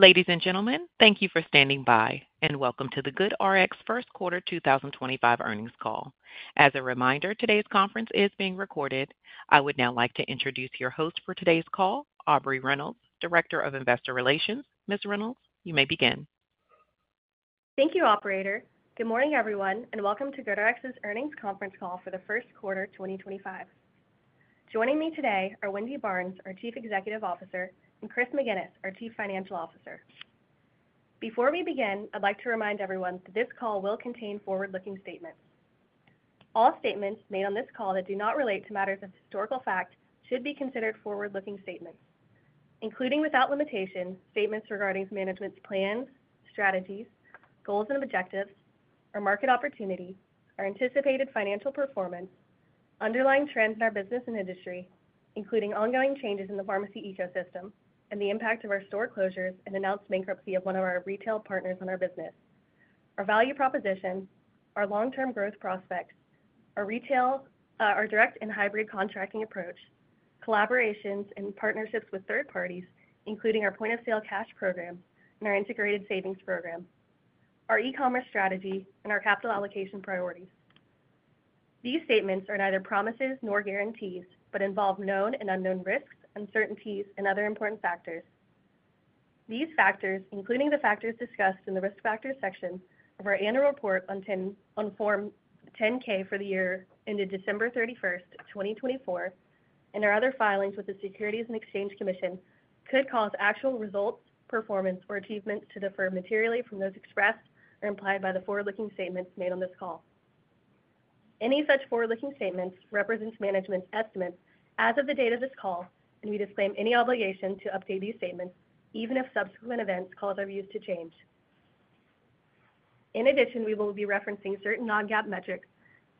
Ladies and gentlemen, thank you for standing by, and welcome to The GoodRx First Quarter 2025 Earnings Call. As a reminder, today's conference is being recorded. I would now like to introduce your host for today's call, Aubrey Reynolds, Director of Investor Relations. Ms. Reynolds, you may begin. Thank you, Operator. Good morning, everyone, and welcome to GoodRx's Earnings Conference Call for the first quarter 2025. Joining me today are Wendy Barnes, our Chief Executive Officer, and Chris McGinnis, our Chief Financial Officer. Before we begin, I'd like to remind everyone that this call will contain forward-looking statements. All statements made on this call that do not relate to matters of historical fact should be considered forward-looking statements, including without limitation, statements regarding management's plans, strategies, goals and objectives, our market opportunity, our anticipated financial performance, underlying trends in our business and industry, including ongoing changes in the pharmacy ecosystem, and the impact of our store closures and announced bankruptcy of one of our retail partners on our business, our value proposition, our long-term growth prospects, our direct and hybrid contracting approach, collaborations and partnerships with third parties, including our point-of-sale cash program and our integrated savings program, our e-commerce strategy, and our capital allocation priorities. These statements are neither promises nor guarantees but involve known and unknown risks, uncertainties, and other important factors. These factors, including the factors discussed in the risk factor section of our annual report on Form 10-K for the year ended December 31st, 2024, and our other filings with the Securities and Exchange Commission, could cause actual results, performance, or achievements to differ materially from those expressed or implied by the forward-looking statements made on this call. Any such forward-looking statements represent management's estimates as of the date of this call, and we disclaim any obligation to update these statements, even if subsequent events cause our views to change. In addition, we will be referencing certain non-GAAP metrics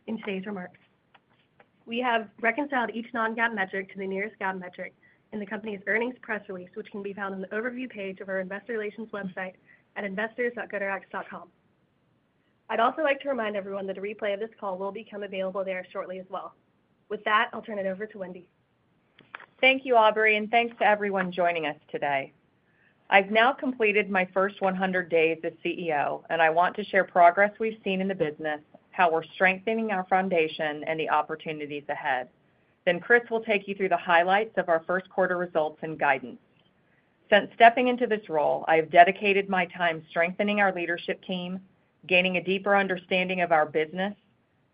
in today's remarks. We have reconciled each non-GAAP metric to the nearest GAAP metric in the company's earnings press release, which can be found on the overview page of our investor relations website at investors.goodrx.com. I'd also like to remind everyone that a replay of this call will become available there shortly as well. With that, I'll turn it over to Wendy. Thank you, Aubrey, and thanks to everyone joining us today. I've now completed my first 100 days as CEO, and I want to share progress we've seen in the business, how we're strengthening our foundation, and the opportunities ahead. Chris will take you through the highlights of our first quarter results and guidance. Since stepping into this role, I have dedicated my time strengthening our leadership team, gaining a deeper understanding of our business,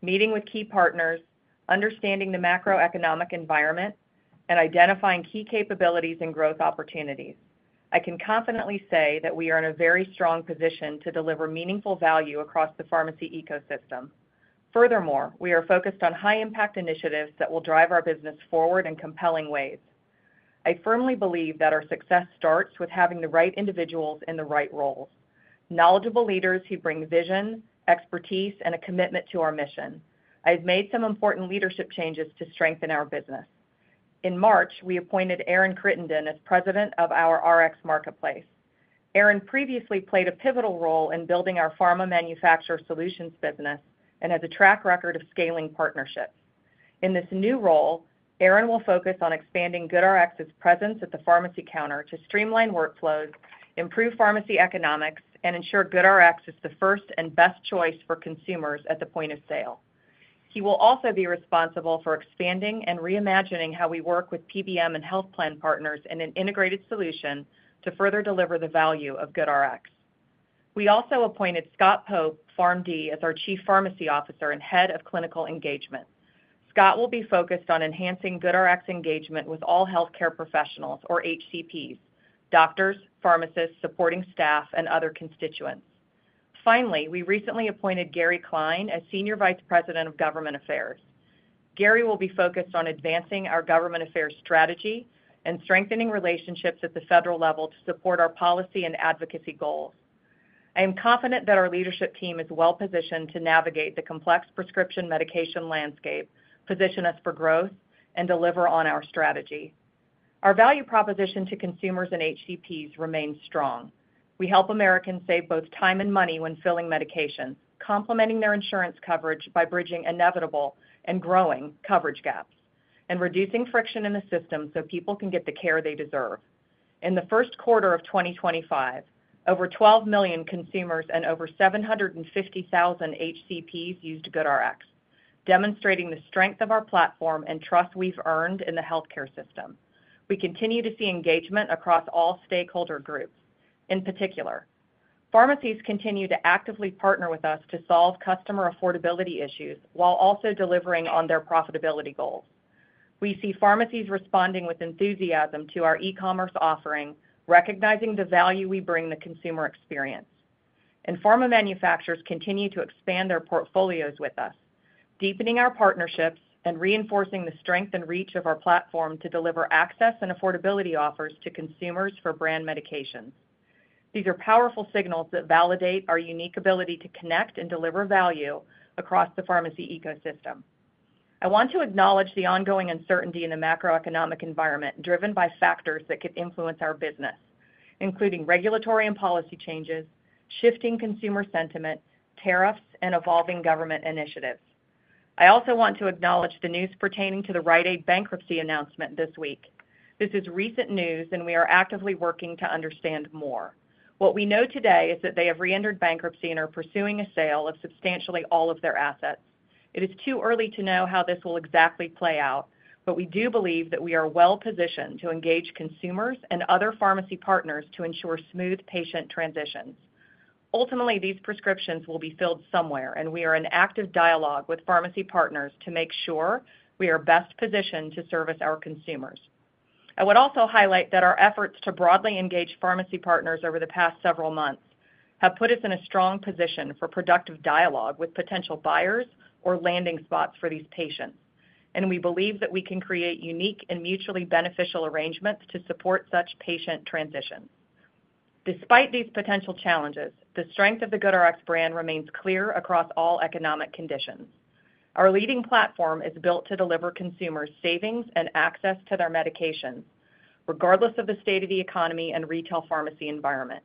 meeting with key partners, understanding the macroeconomic environment, and identifying key capabilities and growth opportunities. I can confidently say that we are in a very strong position to deliver meaningful value across the pharmacy ecosystem. Furthermore, we are focused on high-impact initiatives that will drive our business forward in compelling ways. I firmly believe that our success starts with having the right individuals in the right roles: knowledgeable leaders who bring vision, expertise, and a commitment to our mission. I have made some important leadership changes to strengthen our business. In March, we appointed Aaron Crittenden as President of our Rx Marketplace. Aaron previously played a pivotal role in building our pharma manufacturer solutions business and has a track record of scaling partnerships. In this new role, Aaron will focus on expanding GoodRx's presence at the pharmacy counter to streamline workflows, improve pharmacy economics, and ensure GoodRx is the first and best choice for consumers at the point of sale. He will also be responsible for expanding and reimagining how we work with PBM and health plan partners in an integrated solution to further deliver the value of GoodRx. We also appointed Scott Pope, PharmD, as our Chief Pharmacy Officer and Head of Clinical Engagement. Scott will be focused on enhancing GoodRx engagement with all healthcare professionals, or HCPs, doctors, pharmacists, supporting staff, and other constituents. Finally, we recently appointed Gary Kline as Senior Vice President of Government Affairs. Gary will be focused on advancing our government affairs strategy and strengthening relationships at the federal level to support our policy and advocacy goals. I am confident that our leadership team is well-positioned to navigate the complex prescription medication landscape, position us for growth, and deliver on our strategy. Our value proposition to consumers and HCPs remains strong. We help Americans save both time and money when filling medications, complementing their insurance coverage by bridging inevitable and growing coverage gaps, and reducing friction in the system so people can get the care they deserve. In the first quarter of 2025, over 12 million consumers and over 750,000 HCPs used GoodRx, demonstrating the strength of our platform and trust we've earned in the healthcare system. We continue to see engagement across all stakeholder groups. In particular, pharmacies continue to actively partner with us to solve customer affordability issues while also delivering on their profitability goals. We see pharmacies responding with enthusiasm to our e-commerce offering, recognizing the value we bring to the consumer experience. Pharma manufacturers continue to expand their portfolios with us, deepening our partnerships and reinforcing the strength and reach of our platform to deliver access and affordability offers to consumers for brand medications. These are powerful signals that validate our unique ability to connect and deliver value across the pharmacy ecosystem. I want to acknowledge the ongoing uncertainty in the macroeconomic environment driven by factors that could influence our business, including regulatory and policy changes, shifting consumer sentiment, tariffs, and evolving government initiatives. I also want to acknowledge the news pertaining to the Rite Aid bankruptcy announcement this week. This is recent news, and we are actively working to understand more. What we know today is that they have reentered bankruptcy and are pursuing a sale of substantially all of their assets. It is too early to know how this will exactly play out, but we do believe that we are well-positioned to engage consumers and other pharmacy partners to ensure smooth patient transitions. Ultimately, these prescriptions will be filled somewhere, and we are in active dialogue with pharmacy partners to make sure we are best positioned to service our consumers. I would also highlight that our efforts to broadly engage pharmacy partners over the past several months have put us in a strong position for productive dialogue with potential buyers or landing spots for these patients, and we believe that we can create unique and mutually beneficial arrangements to support such patient transitions. Despite these potential challenges, the strength of the GoodRx brand remains clear across all economic conditions. Our leading platform is built to deliver consumers savings and access to their medications, regardless of the state of the economy and retail pharmacy environment.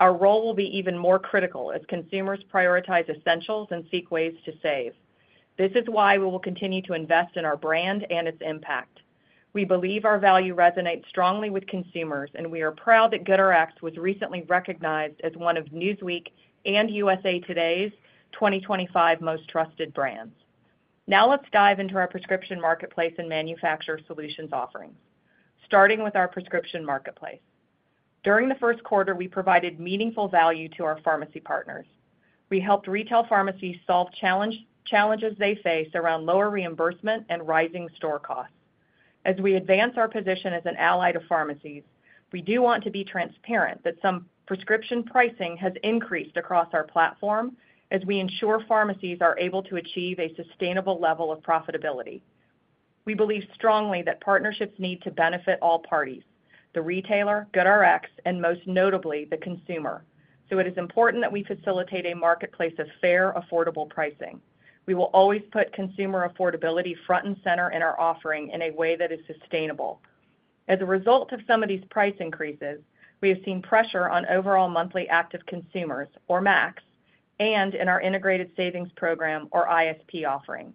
Our role will be even more critical as consumers prioritize essentials and seek ways to save. This is why we will continue to invest in our brand and its impact. We believe our value resonates strongly with consumers, and we are proud that GoodRx was recently recognized as one of Newsweek and USA Today's 2025 Most Trusted Brands. Now let's dive into our prescription marketplace and manufacturer solutions offerings, starting with our prescription marketplace. During the first quarter, we provided meaningful value to our pharmacy partners. We helped retail pharmacies solve challenges they face around lower reimbursement and rising store costs. As we advance our position as an ally to pharmacies, we do want to be transparent that some prescription pricing has increased across our platform as we ensure pharmacies are able to achieve a sustainable level of profitability. We believe strongly that partnerships need to benefit all parties: the retailer, GoodRx, and most notably the consumer. It is important that we facilitate a marketplace of fair, affordable pricing. We will always put consumer affordability front and center in our offering in a way that is sustainable. As a result of some of these price increases, we have seen pressure on overall monthly active consumers, or MACs, and in our integrated savings program, or ISP, offering.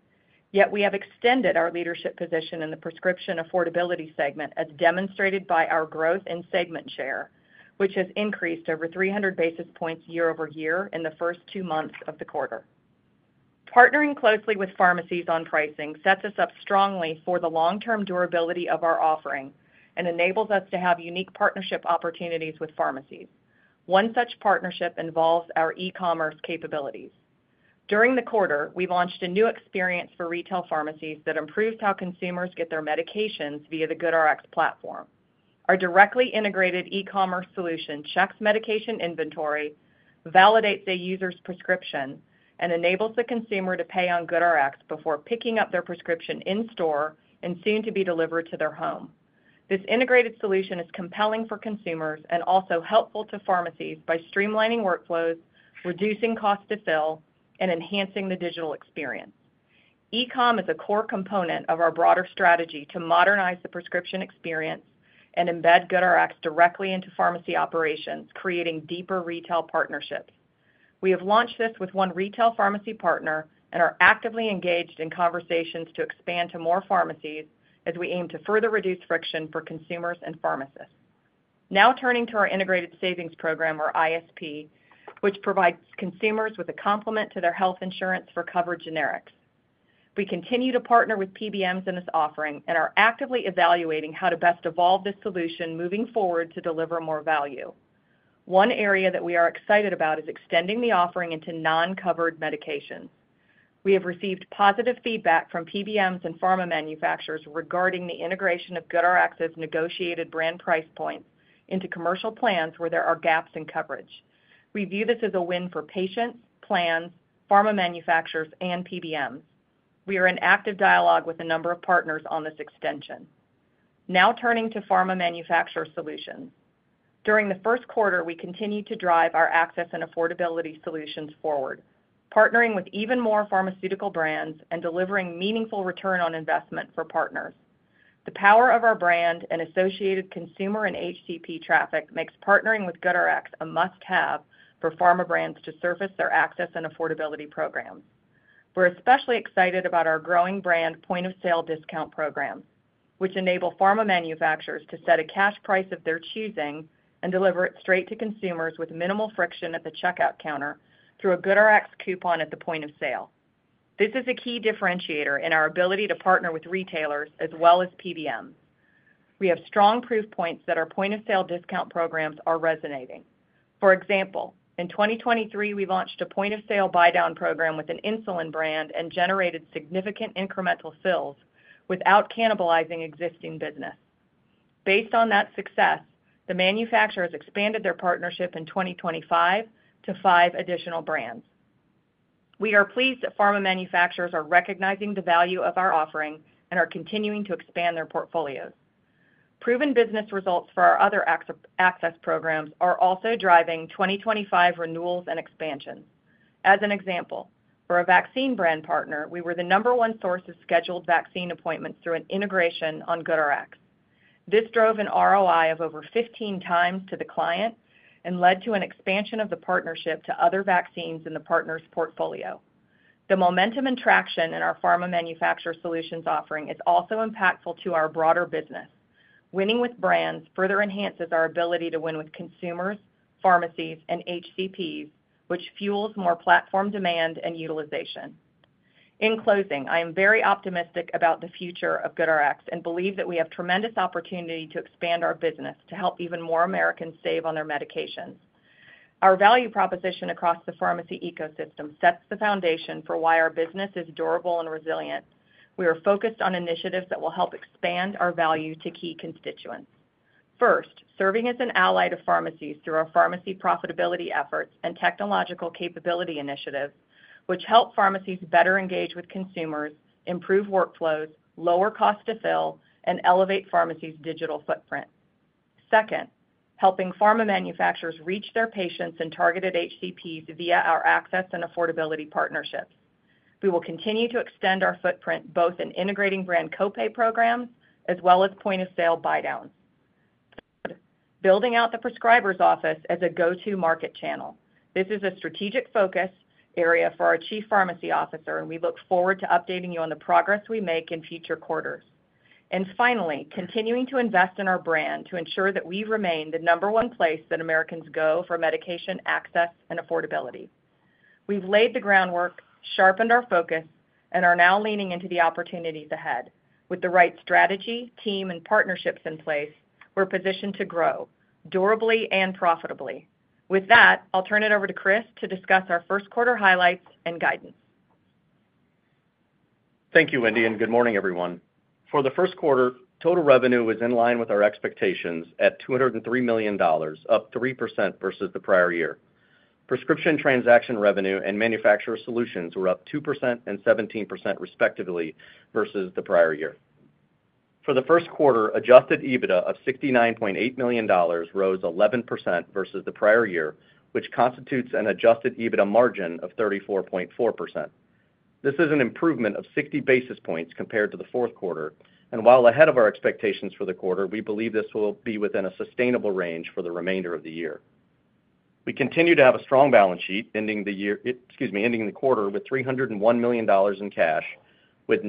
Yet we have extended our leadership position in the prescription affordability segment, as demonstrated by our growth in segment share, which has increased over 300 basis points year over year in the first two months of the quarter. Partnering closely with pharmacies on pricing sets us up strongly for the long-term durability of our offering and enables us to have unique partnership opportunities with pharmacies. One such partnership involves our e-commerce capabilities. During the quarter, we launched a new experience for retail pharmacies that improves how consumers get their medications via the GoodRx platform. Our directly integrated e-commerce solution checks medication inventory, validates a user's prescription, and enables the consumer to pay on GoodRx before picking up their prescription in store and soon to be delivered to their home. This integrated solution is compelling for consumers and also helpful to pharmacies by streamlining workflows, reducing cost to fill, and enhancing the digital experience. E-com is a core component of our broader strategy to modernize the prescription experience and embed GoodRx directly into pharmacy operations, creating deeper retail partnerships. We have launched this with one retail pharmacy partner and are actively engaged in conversations to expand to more pharmacies as we aim to further reduce friction for consumers and pharmacists. Now turning to our integrated savings program, or ISP, which provides consumers with a complement to their health insurance for covered generics. We continue to partner with PBMs in this offering and are actively evaluating how to best evolve this solution moving forward to deliver more value. One area that we are excited about is extending the offering into non-covered medications. We have received positive feedback from PBMs and pharma manufacturers regarding the integration of GoodRx's negotiated brand price points into commercial plans where there are gaps in coverage. We view this as a win for patients, plans, pharma manufacturers, and PBMs. We are in active dialogue with a number of partners on this extension. Now turning to pharma manufacturer solutions. During the first quarter, we continue to drive our access and affordability solutions forward, partnering with even more pharmaceutical brands and delivering meaningful return on investment for partners. The power of our brand and associated consumer and HCP traffic makes partnering with GoodRx a must-have for pharma brands to surface their access and affordability programs. We're especially excited about our growing brand point-of-sale discount programs, which enable pharma manufacturers to set a cash price of their choosing and deliver it straight to consumers with minimal friction at the checkout counter through a GoodRx coupon at the point of sale. This is a key differentiator in our ability to partner with retailers as well as PBMs. We have strong proof points that our point-of-sale discount programs are resonating. For example, in 2023, we launched a point-of-sale buy-down program with an insulin brand and generated significant incremental fills without cannibalizing existing business. Based on that success, the manufacturers expanded their partnership in 2025 to five additional brands. We are pleased that pharma manufacturers are recognizing the value of our offering and are continuing to expand their portfolios. Proven business results for our other access programs are also driving 2025 renewals and expansions. As an example, for a vaccine brand partner, we were the number one source of scheduled vaccine appointments through an integration on GoodRx. This drove an ROI of over 15 times to the client and led to an expansion of the partnership to other vaccines in the partner's portfolio. The momentum and traction in our pharma manufacturer solutions offering is also impactful to our broader business. Winning with brands further enhances our ability to win with consumers, pharmacies, and HCPs, which fuels more platform demand and utilization. In closing, I am very optimistic about the future of GoodRx and believe that we have tremendous opportunity to expand our business to help even more Americans save on their medications. Our value proposition across the pharmacy ecosystem sets the foundation for why our business is durable and resilient. We are focused on initiatives that will help expand our value to key constituents. First, serving as an ally to pharmacies through our pharmacy profitability efforts and technological capability initiatives, which help pharmacies better engage with consumers, improve workflows, lower cost to fill, and elevate pharmacies' digital footprint. Second, helping pharma manufacturers reach their patients and targeted HCPs via our access and affordability partnerships. We will continue to extend our footprint both in integrating brand copay programs as well as point-of-sale buy-downs. Third, building out the prescriber's office as a go-to market channel. This is a strategic focus area for our Chief Pharmacy Officer, and we look forward to updating you on the progress we make in future quarters. Finally, continuing to invest in our brand to ensure that we remain the number one place that Americans go for medication access and affordability. We have laid the groundwork, sharpened our focus, and are now leaning into the opportunities ahead. With the right strategy, team, and partnerships in place, we are positioned to grow durably and profitably. With that, I will turn it over to Chris to discuss our first quarter highlights and guidance. Thank you, Wendy, and good morning, everyone. For the first quarter, total revenue was in line with our expectations at $203 million, up 3% versus the prior year. Prescription transaction revenue and manufacturer solutions were up 2% and 17% respectively versus the prior year. For the first quarter, adjusted EBITDA of $69.8 million rose 11% versus the prior year, which constitutes an adjusted EBITDA margin of 34.4%. This is an improvement of 60 basis points compared to the fourth quarter. While ahead of our expectations for the quarter, we believe this will be within a sustainable range for the remainder of the year. We continue to have a strong balance sheet ending the quarter with $301 million in cash, with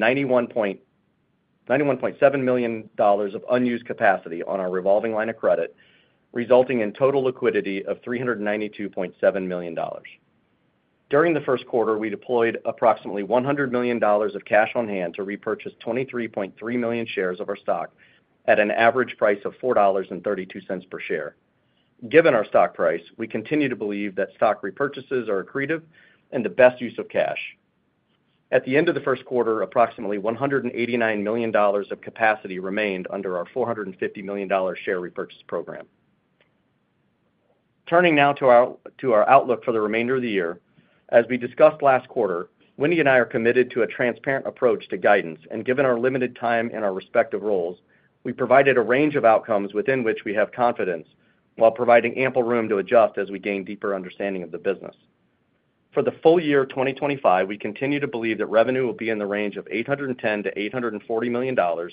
$91.7 million of unused capacity on our revolving line of credit, resulting in total liquidity of $392.7 million. During the first quarter, we deployed approximately $100 million of cash on hand to repurchase 23.3 million shares of our stock at an average price of $4.32 per share. Given our stock price, we continue to believe that stock repurchases are accretive and the best use of cash. At the end of the first quarter, approximately $189 million of capacity remained under our $450 million share repurchase program. Turning now to our outlook for the remainder of the year, as we discussed last quarter, Wendy and I are committed to a transparent approach to guidance, and given our limited time in our respective roles, we provided a range of outcomes within which we have confidence while providing ample room to adjust as we gain deeper understanding of the business. For the full year 2025, we continue to believe that revenue will be in the range of $810 million-$840 million,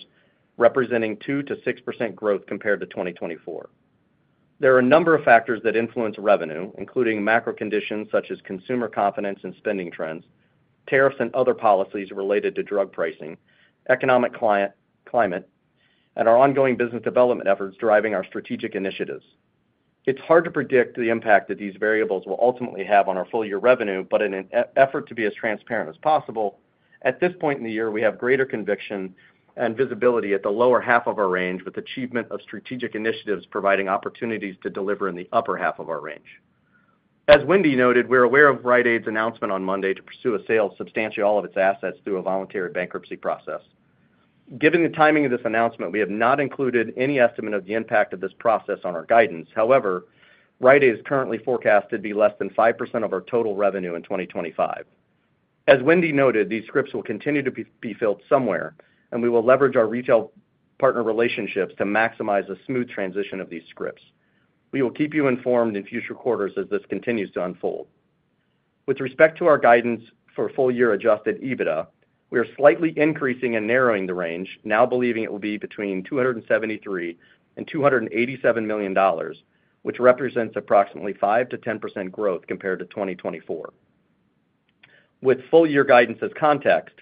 representing 2%-6% growth compared to 2024. There are a number of factors that influence revenue, including macro conditions such as consumer confidence and spending trends, tariffs and other policies related to drug pricing, economic climate, and our ongoing business development efforts driving our strategic initiatives. It's hard to predict the impact that these variables will ultimately have on our full year revenue, but in an effort to be as transparent as possible, at this point in the year, we have greater conviction and visibility at the lower half of our range with achievement of strategic initiatives providing opportunities to deliver in the upper half of our range. As Wendy noted, we're aware of Rite Aid's announcement on Monday to pursue a sale of substantially all of its assets through a voluntary bankruptcy process. Given the timing of this announcement, we have not included any estimate of the impact of this process on our guidance. However, Rite Aid is currently forecast to be less than 5% of our total revenue in 2025. As Wendy noted, these scripts will continue to be filled somewhere, and we will leverage our retail partner relationships to maximize a smooth transition of these scripts. We will keep you informed in future quarters as this continues to unfold. With respect to our guidance for full year adjusted EBITDA, we are slightly increasing and narrowing the range, now believing it will be between $273 million-$287 million, which represents approximately 5%-10% growth compared to 2024. With full year guidance as context,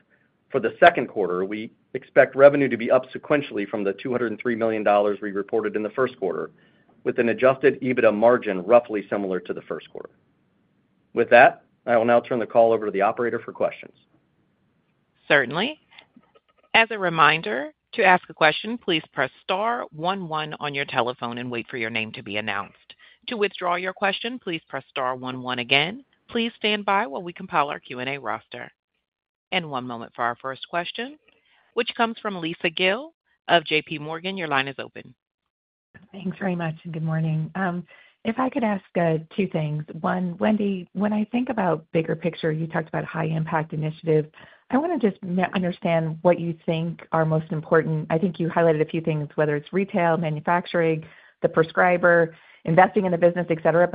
for the second quarter, we expect revenue to be up sequentially from the $203 million we reported in the first quarter, with an adjusted EBITDA margin roughly similar to the first quarter. With that, I will now turn the call over to the operator for questions. Certainly. As a reminder, to ask a question, please press star one one on your telephone and wait for your name to be announced. To withdraw your question, please press starone one again. Please stand by while we compile our Q&A roster. One moment for our first question, which comes from Lisa Gill of JPMorgan. Your line is open. Thanks very much. Good morning. If I could ask two things. One, Wendy, when I think about bigger picture, you talked about high-impact initiatives. I want to just understand what you think are most important. I think you highlighted a few things, whether it's retail, manufacturing, the prescriber, investing in the business, etc.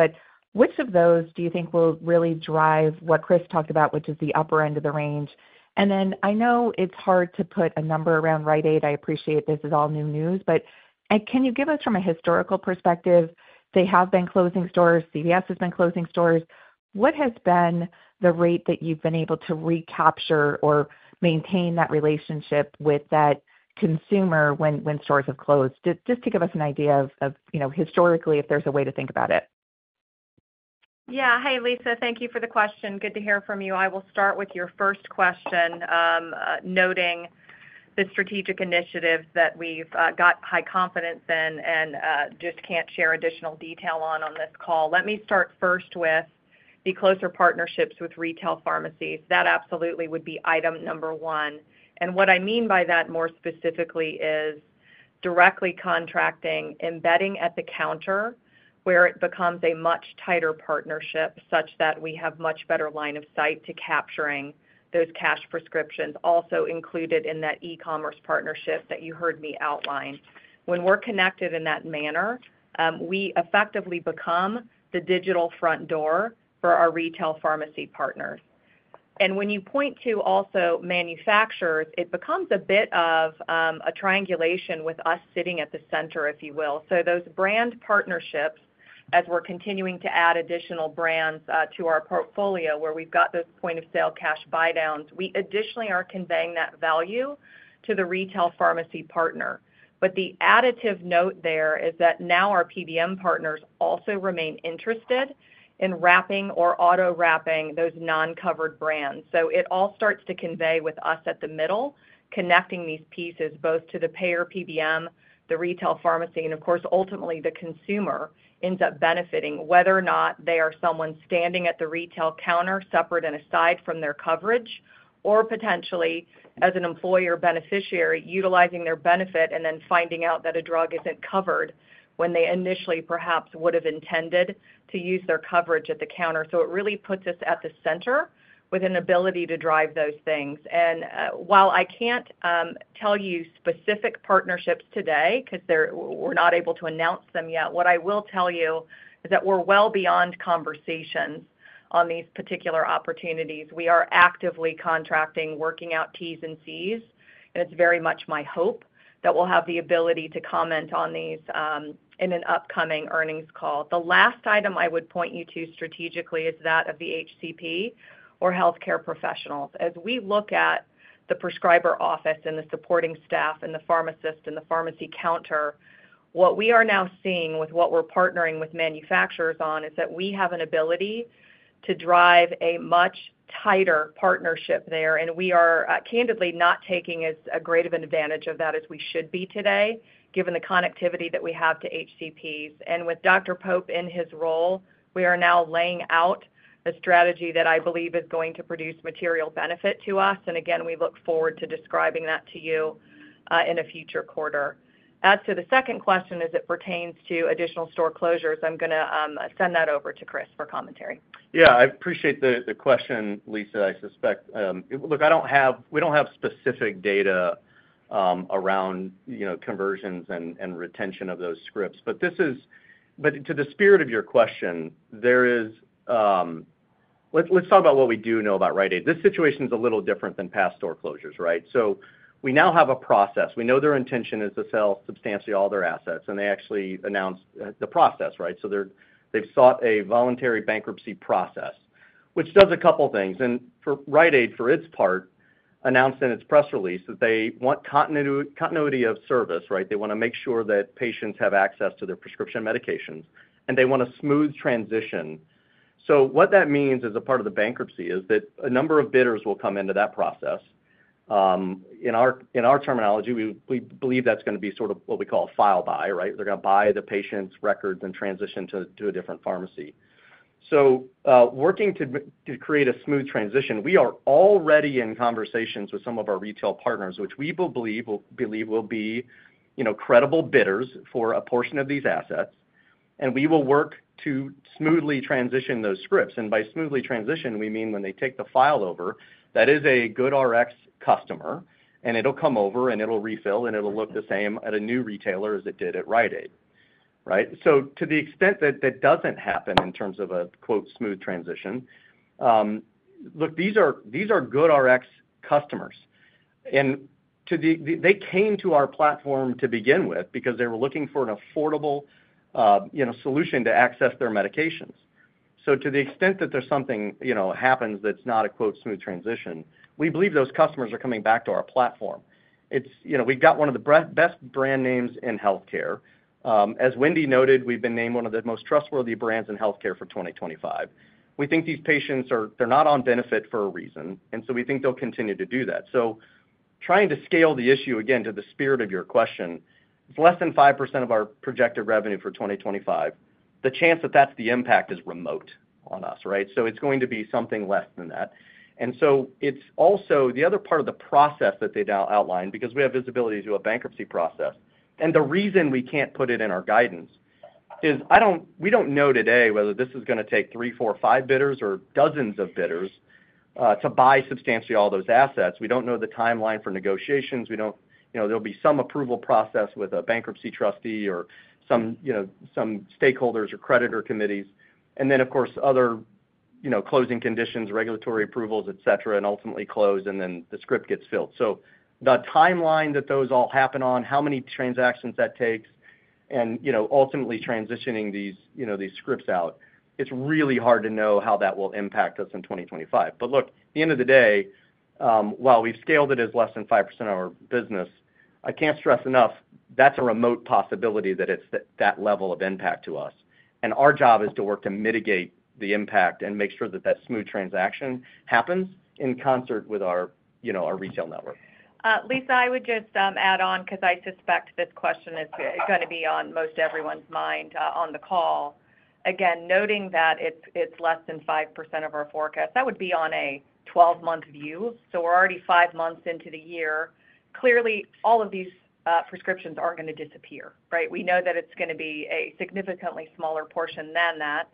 Which of those do you think will really drive what Chris talked about, which is the upper end of the range? And then I know it's hard to put a number around Rite Aid. I appreciate this is all new news, but can you give us, from a historical perspective, they have been closing stores, CVS has been closing stores. What has been the rate that you've been able to recapture or maintain that relationship with that consumer when stores have closed? Just to give us an idea of historically, if there's a way to think about it. Yeah. Hi, Lisa. Thank you for the question. Good to hear from you. I will start with your first question, noting the strategic initiatives that we've got high confidence in and just can't share additional detail on this call. Let me start first with the closer partnerships with retail pharmacies. That absolutely would be item number one. What I mean by that more specifically is directly contracting, embedding at the counter where it becomes a much tighter partnership such that we have much better line of sight to capturing those cash prescriptions. Also included in that e-commerce partnership that you heard me outline, when we're connected in that manner, we effectively become the digital front door for our retail pharmacy partners. When you point to also manufacturers, it becomes a bit of a triangulation with us sitting at the center, if you will. Those brand partnerships, as we're continuing to add additional brands to our portfolio where we've got those point-of-sale cash buy-downs, we additionally are conveying that value to the retail pharmacy partner. The additive note there is that now our PBM partners also remain interested in wrapping or auto-wrapping those non-covered brands. It all starts to convey with us at the middle, connecting these pieces both to the payer PBM, the retail pharmacy, and of course, ultimately the consumer ends up benefiting, whether or not they are someone standing at the retail counter separate and aside from their coverage, or potentially as an employer beneficiary utilizing their benefit and then finding out that a drug isn't covered when they initially perhaps would have intended to use their coverage at the counter. It really puts us at the center with an ability to drive those things. While I can't tell you specific partnerships today because we're not able to announce them yet, what I will tell you is that we're well beyond conversations on these particular opportunities. We are actively contracting, working out T's and C's, and it's very much my hope that we'll have the ability to comment on these in an upcoming earnings call. The last item I would point you to strategically is that of the HCP or healthcare professionals. As we look at the prescriber office and the supporting staff and the pharmacist and the pharmacy counter, what we are now seeing with what we're partnering with manufacturers on is that we have an ability to drive a much tighter partnership there. We are candidly not taking as great of an advantage of that as we should be today, given the connectivity that we have to HCPs. With Dr. Pope in his role, we are now laying out a strategy that I believe is going to produce material benefit to us. And again, we look forward to describing that to you in a future quarter. As to the second question, as it pertains to additional store closures, I'm going to send that over to Chris for commentary. Yeah. I appreciate the question, Lisa, I suspect. Look, I don't have specific data around conversions and retention of those scripts. To the spirit of your question, let's talk about what we do know about Rite Aid. This situation is a little different than past store closures, right? We now have a process. We know their intention is to sell substantially all their assets, and they actually announced the process, right? They have sought a voluntary bankruptcy process, which does a couple of things. Rite Aid, for its part, announced in its press release that they want continuity of service, right? They want to make sure that patients have access to their prescription medications, and they want a smooth transition. What that means as a part of the bankruptcy is that a number of bidders will come into that process. In our terminology, we believe that's going to be sort of what we call a file buy, right? They're going to buy the patient's records and transition to a different pharmacy. Working to create a smooth transition, we are already in conversations with some of our retail partners, which we believe will be credible bidders for a portion of these assets. We will work to smoothly transition those scripts. By smoothly transition, we mean when they take the file over, that is a GoodRx customer, and it'll come over, and it'll refill, and it'll look the same at a new retailer as it did at Rite Aid, right? To the extent that that doesn't happen in terms of a "smooth transition," look, these are GoodRx customers. They came to our platform to begin with because they were looking for an affordable solution to access their medications. To the extent that something happens that's not a "smooth transition," we believe those customers are coming back to our platform. We've got one of the best brand names in healthcare. As Wendy noted, we've been named one of the most trustworthy brands in healthcare for 2025. We think these patients, they're not on benefit for a reason, and we think they'll continue to do that. Trying to scale the issue again to the spirit of your question, it's less than 5% of our projected revenue for 2025. The chance that that's the impact is remote on us, right? It's going to be something less than that. It's also the other part of the process that they now outline, because we have visibility to a bankruptcy process. The reason we can't put it in our guidance is we don't know today whether this is going to take three, four, five bidders or dozens of bidders to buy substantially all those assets. We don't know the timeline for negotiations. There will be some approval process with a bankruptcy trustee or some stakeholders or creditor committees. Of course, other closing conditions, regulatory approvals, etc., and ultimately close, and then the script gets filled. The timeline that those all happen on, how many transactions that takes, and ultimately transitioning these scripts out, it's really hard to know how that will impact us in 2025. At the end of the day, while we've scaled it as less than 5% of our business, I can't stress enough that's a remote possibility that it's that level of impact to us. Our job is to work to mitigate the impact and make sure that that smooth transaction happens in concert with our retail network. Lisa, I would just add on because I suspect this question is going to be on most everyone's mind on the call. Again, noting that it's less than 5% of our forecast, that would be on a 12-month view. We're already five months into the year. Clearly, all of these prescriptions aren't going to disappear, right? We know that it's going to be a significantly smaller portion than that.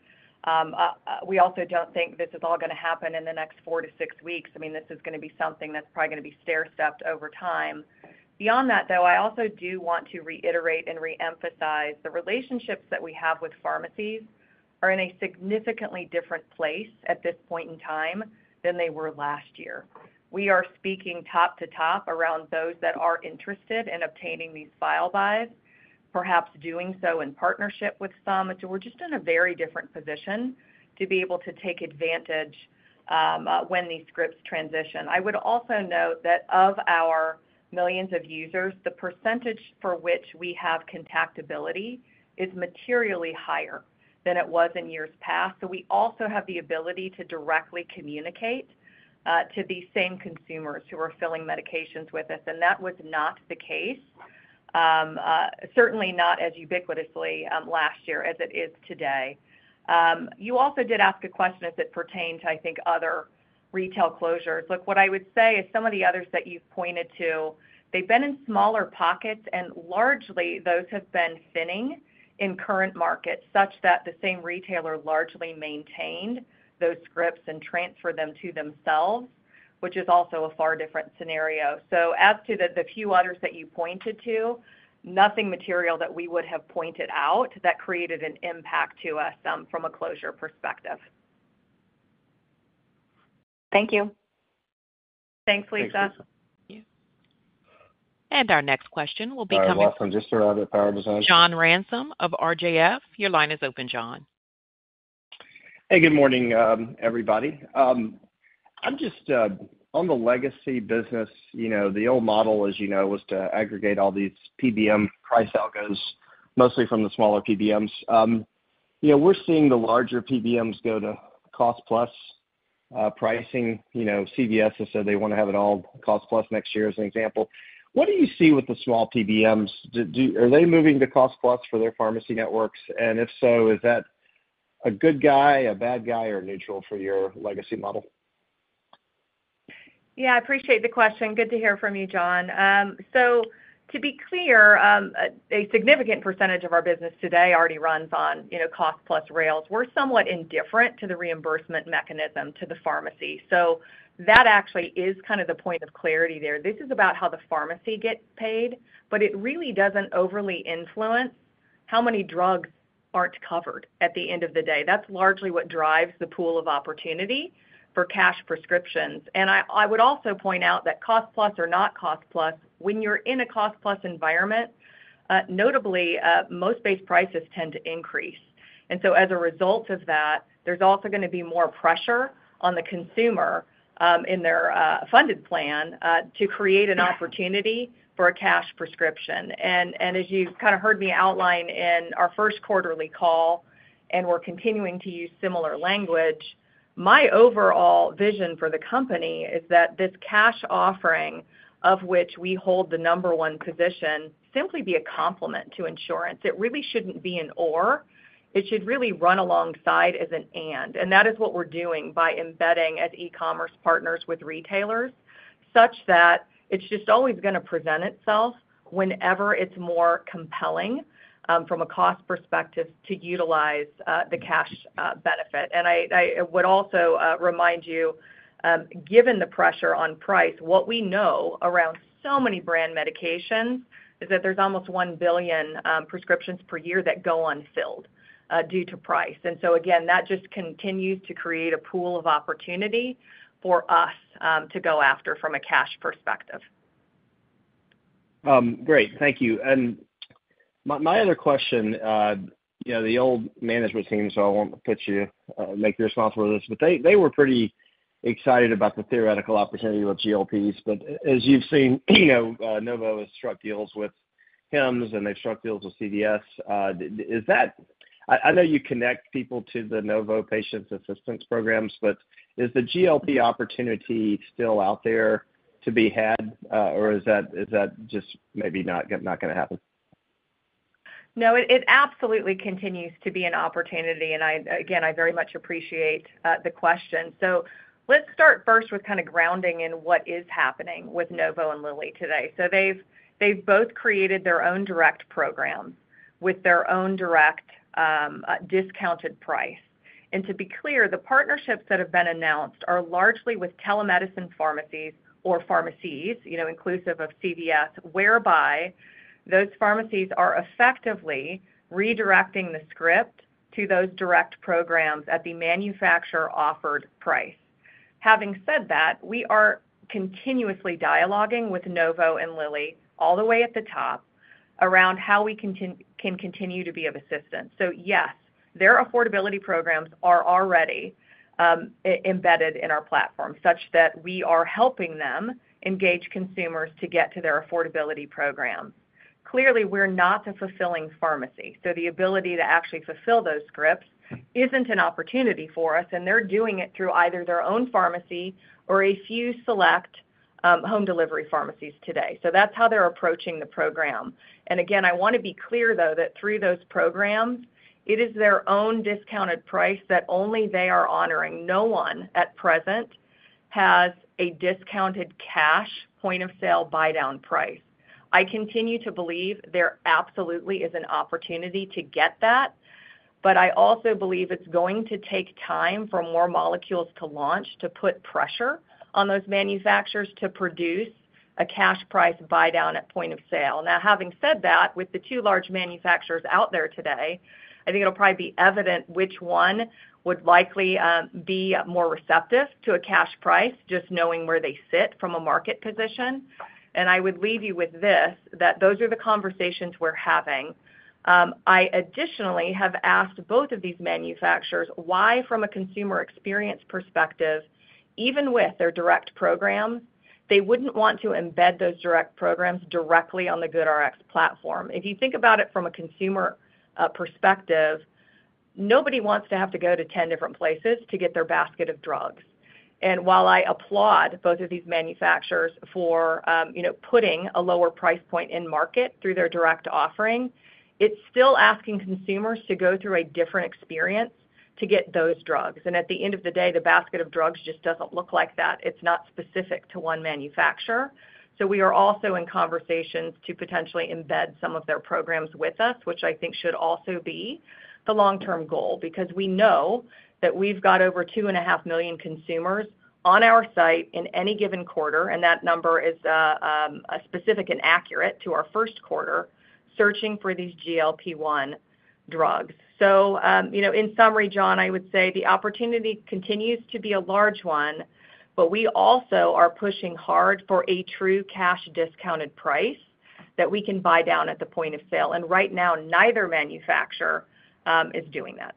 We also don't think this is all going to happen in the next four to six weeks. I mean, this is going to be something that's probably going to be stair-stepped over time. Beyond that, though, I also do want to reiterate and re-emphasize the relationships that we have with pharmacies are in a significantly different place at this point in time than they were last year. We are speaking top to top around those that are interested in obtaining these file buys, perhaps doing so in partnership with some. We are just in a very different position to be able to take advantage when these scripts transition. I would also note that of our millions of users, the percentage for which we have contactability is materially higher than it was in years past. We also have the ability to directly communicate to the same consumers who are filling medications with us. That was not the case, certainly not as ubiquitously last year as it is today. You also did ask a question as it pertained to, I think, other retail closures. Look, what I would say is some of the others that you have pointed to, they have been in smaller pockets, and largely those have been thinning in current markets such that the same retailer largely maintained those scripts and transferred them to themselves, which is also a far different scenario. As to the few others that you pointed to, nothing material that we would have pointed out that created an impact to us from a closure perspective. Thank you. Thanks, Lisa. Thank you. Our next question will be coming from John Ransom of RJF. Your line is open, John. Hey, good morning, everybody. I'm just on the legacy business. The old model, as you know, was to aggregate all these PBM price algos, mostly from the smaller PBMs. We're seeing the larger PBMs go to cost-plus pricing. CVS has said they want to have it all cost-plus next year, as an example. What do you see with the small PBMs? Are they moving to cost-plus for their pharmacy networks? And if so, is that a good guy, a bad guy, or neutral for your legacy model? Yeah, I appreciate the question. Good to hear from you, John. To be clear, a significant percentage of our business today already runs on cost-plus rails. We're somewhat indifferent to the reimbursement mechanism to the pharmacy. That actually is kind of the point of clarity there. This is about how the pharmacy gets paid, but it really does not overly influence how many drugs are not covered at the end of the day. That is largely what drives the pool of opportunity for cash prescriptions. I would also point out that cost-plus or not cost-plus, when you are in a cost-plus environment, notably, most base prices tend to increase. As a result of that, there is also going to be more pressure on the consumer in their funded plan to create an opportunity for a cash prescription. As you have kind of heard me outline in our first quarterly call, and we are continuing to use similar language, my overall vision for the company is that this cash offering, of which we hold the number one position, simply be a complement to insurance. It really should not be an or. It should really run alongside as an and. That is what we're doing by embedding as e-commerce partners with retailers such that it's just always going to present itself whenever it's more compelling from a cost perspective to utilize the cash benefit. I would also remind you, given the pressure on price, what we know around so many brand medications is that there's almost 1 billion prescriptions per year that go unfilled due to price. Again, that just continues to create a pool of opportunity for us to go after from a cash perspective. Great. Thank you. My other question, the old management team, so I won't make you responsible for this, but they were pretty excited about the theoretical opportunity with GLP-1s. As you've seen, Novo has struck deals with Hims & Hers, and they've struck deals with CVS. Is that, I know you connect people to the Novo patient assistance programs, but is the GLP opportunity still out there to be had, or is that just maybe not going to happen? No, it absolutely continues to be an opportunity. I very much appreciate the question. Let's start first with kind of grounding in what is happening with Novo and Lilly today. They've both created their own direct programs with their own direct discounted price. To be clear, the partnerships that have been announced are largely with telemedicine pharmacies or pharmacies, inclusive of CVS, whereby those pharmacies are effectively redirecting the script to those direct programs at the manufacturer-offered price. Having said that, we are continuously dialoguing with Novo and Lilly all the way at the top around how we can continue to be of assistance. Yes, their affordability programs are already embedded in our platform such that we are helping them engage consumers to get to their affordability programs. Clearly, we're not a fulfilling pharmacy. The ability to actually fulfill those scripts isn't an opportunity for us, and they're doing it through either their own pharmacy or a few select home delivery pharmacies today. That's how they're approaching the program. I want to be clear, though, that through those programs, it is their own discounted price that only they are honoring. No one at present has a discounted cash point-of-sale buy-down price. I continue to believe there absolutely is an opportunity to get that, but I also believe it's going to take time for more molecules to launch to put pressure on those manufacturers to produce a cash price buy-down at point of sale. Now, having said that, with the two large manufacturers out there today, I think it'll probably be evident which one would likely be more receptive to a cash price, just knowing where they sit from a market position. I would leave you with this, that those are the conversations we're having. I additionally have asked both of these manufacturers why, from a consumer experience perspective, even with their direct programs, they wouldn't want to embed those direct programs directly on the GoodRx platform. If you think about it from a consumer perspective, nobody wants to have to go to 10 different places to get their basket of drugs. While I applaud both of these manufacturers for putting a lower price point in market through their direct offering, it's still asking consumers to go through a different experience to get those drugs. At the end of the day, the basket of drugs just does not look like that. It is not specific to one manufacturer. We are also in conversations to potentially embed some of their programs with us, which I think should also be the long-term goal because we know that we have over two and a half million consumers on our site in any given quarter, and that number is specific and accurate to our first quarter searching for these GLP-1 drugs. In summary, John, I would say the opportunity continues to be a large one, but we also are pushing hard for a true cash discounted price that we can buy down at the point of sale. Right now, neither manufacturer is doing that.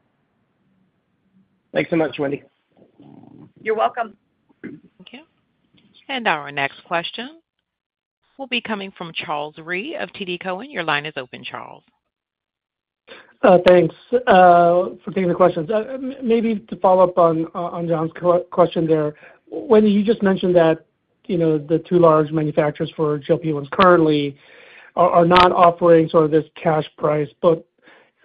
Thanks so much, Wendy. You're welcome. Thank you. Our next question will be coming from Charles Rhyee of TD Cowen. Your line is open, Charles. Thanks for taking the question. Maybe to follow up on John's question there, Wendy, you just mentioned that the two large manufacturers for GLP-1s currently are not offering sort of this cash price.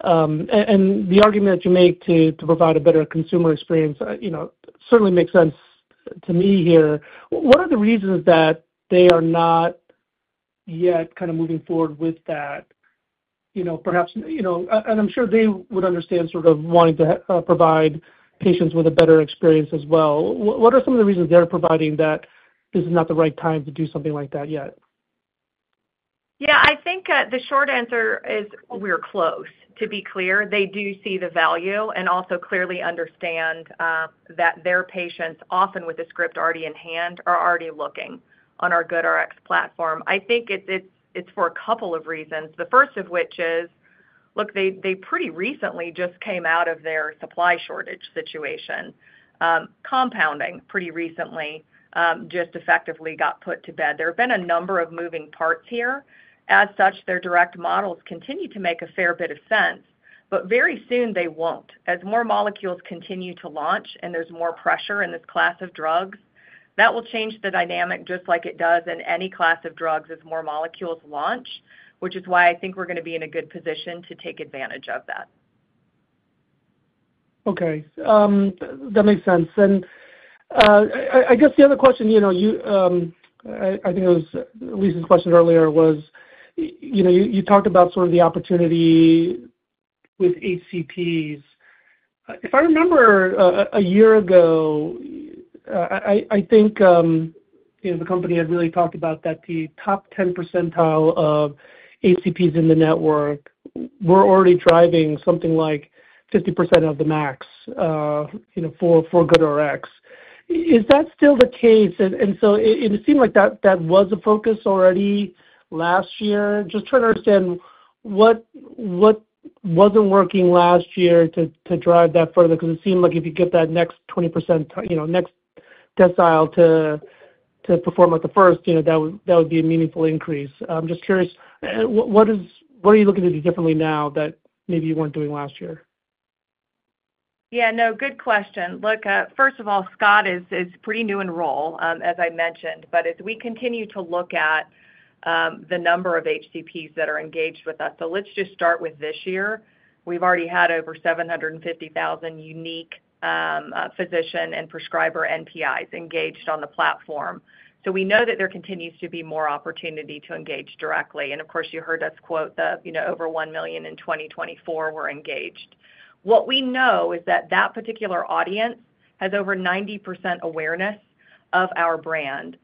The argument that you make to provide a better consumer experience certainly makes sense to me here. What are the reasons that they are not yet kind of moving forward with that? Perhaps, and I'm sure they would understand sort of wanting to provide patients with a better experience as well. What are some of the reasons they're providing that this is not the right time to do something like that yet? Yeah, I think the short answer is we're close, to be clear. They do see the value and also clearly understand that their patients, often with a script already in hand, are already looking on our GoodRx platform. I think it's for a couple of reasons. The first of which is, look, they pretty recently just came out of their supply shortage situation. Compounding pretty recently just effectively got put to bed. There have been a number of moving parts here. As such, their direct models continue to make a fair bit of sense, but very soon they won't. As more molecules continue to launch and there's more pressure in this class of drugs, that will change the dynamic just like it does in any class of drugs as more molecules launch, which is why I think we're going to be in a good position to take advantage of that. Okay. That makes sense. I guess the other question, I think it was Lisa's question earlier, was you talked about sort of the opportunity with HCPs. If I remember a year ago, I think the company had really talked about that the top 10% of HCPs in the network were already driving something like 50% of the MACs for GoodRx. Is that still the case? It seemed like that was a focus already last year. Just trying to understand what was not working last year to drive that further because it seemed like if you get that next 20%, next decile to perform at the first, that would be a meaningful increase. I'm just curious, what are you looking to do differently now that maybe you were not doing last year? Yeah. No, good question. Look, first of all, Scott is pretty new in role, as I mentioned, but as we continue to look at the number of HCPs that are engaged with us, so let's just start with this year. We've already had over 750,000 unique physician and prescriber NPIs engaged on the platform. We know that there continues to be more opportunity to engage directly. Of course, you heard us quote the over 1 million in 2024 were engaged. What we know is that that particular audience has over 90% awareness of our brand.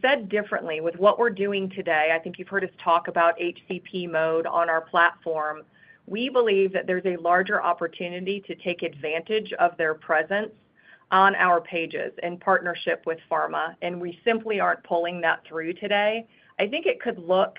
Said differently, with what we're doing today, I think you've heard us talk about HCP mode on our platform. We believe that there's a larger opportunity to take advantage of their presence on our pages in partnership with pharma, and we simply aren't pulling that through today. I think it could look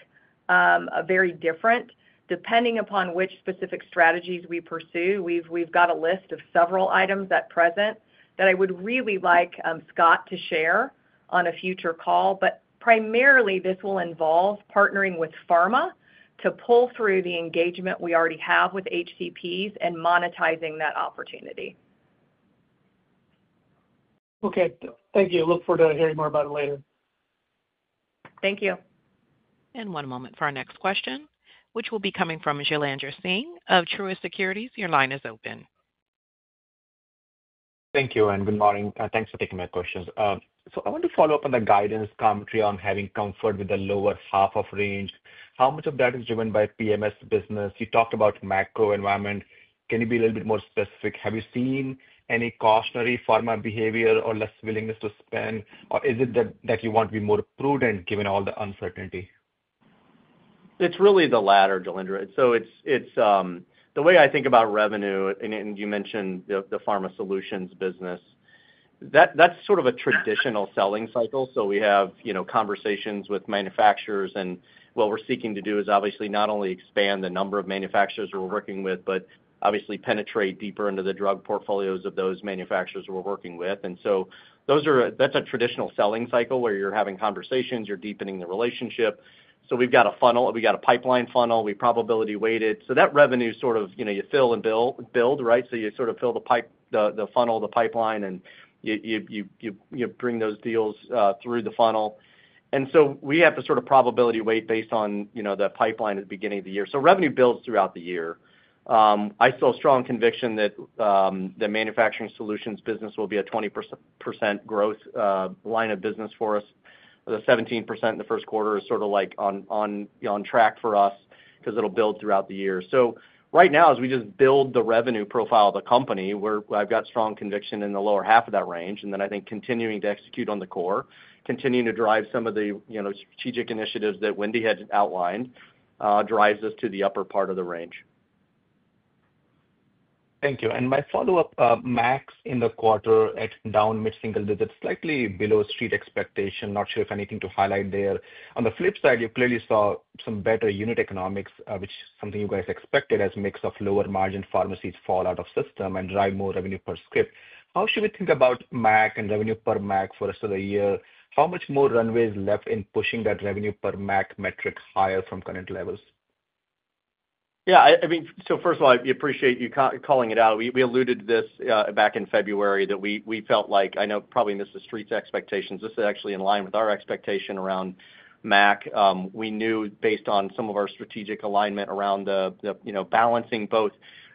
very different depending upon which specific strategies we pursue. We've got a list of several items at present that I would really like Scott to share on a future call, but primarily, this will involve partnering with pharma to pull through the engagement we already have with HCPs and monetizing that opportunity. Okay. Thank you. Look forward to hearing more about it later. Thank you. And one moment for our next question, which will be coming from Jailendra Singh of Truist Securities. Your line is open. Thank you, and good morning. Thanks for taking my questions. I want to follow up on the guidance commentary on having comfort with the lower half of range. How much of that is driven by PMS business? You talked about macro environment. Can you be a little bit more specific? Have you seen any cautionary pharma behavior or less willingness to spend, or is it that you want to be more prudent given all the uncertainty? It's really the latter, Jailendra. The way I think about revenue, and you mentioned the pharma solutions business, that's sort of a traditional selling cycle. We have conversations with manufacturers, and what we're seeking to do is obviously not only expand the number of manufacturers we're working with, but obviously penetrate deeper into the drug portfolios of those manufacturers we're working with. That's a traditional selling cycle where you're having conversations, you're deepening the relationship. We've got a pipeline funnel. We probability-weight it. That revenue, you fill and build, right? You fill the funnel, the pipeline, and you bring those deals through the funnel. We have to sort of probability-weight based on the pipeline at the beginning of the year. Revenue builds throughout the year. I still have strong conviction that the manufacturer solutions business will be a 20% growth line of business for us. The 17% in the first quarter is sort of on track for us because it will build throughout the year. Right now, as we just build the revenue profile of the company, I have strong conviction in the lower half of that range. I think continuing to execute on the core, continuing to drive some of the strategic initiatives that Wendy had outlined, drives us to the upper part of the range. Thank you. My follow-up, MACs in the quarter at down mid-single digits, slightly below street expectation. Not sure if anything to highlight there. On the flip side, you clearly saw some better unit economics, which is something you guys expected as a mix of lower-margin pharmacies fall out of system and drive more revenue per script. How should we think about MACs and revenue per MAC for the rest of the year? How much more runway is left in pushing that revenue per MAC metric higher from current levels? Yeah. I mean, first of all, I appreciate you calling it out. We alluded to this back in February that we felt like, I know, probably missed the street's expectations. This is actually in line with our expectation around MACs. We knew based on some of our strategic alignment around balancing both